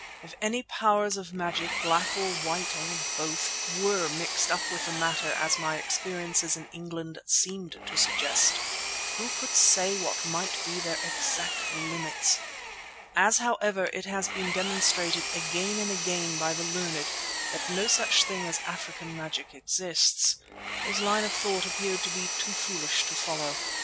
If any powers of magic, black or white or both, were mixed up with the matter as my experiences in England seemed to suggest, who could say what might be their exact limits? As, however, it has been demonstrated again and again by the learned that no such thing as African magic exists, this line of thought appeared to be too foolish to follow.